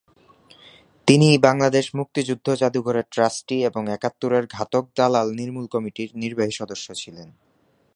তিনি বাংলাদেশ মুক্তিযুদ্ধ জাদুঘরের ট্রাস্টি এবং একাত্তরের ঘাতক দালাল নির্মূল কমিটির নির্বাহী সদস্য ছিলেন।